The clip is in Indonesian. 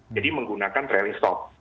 jadi menggunakan trailing stock